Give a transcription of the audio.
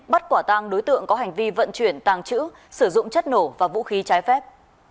bắt quả tang đối tượng có hành vi vận chuyển tàng trữ sử dụng chất nổ và vũ khí trái phép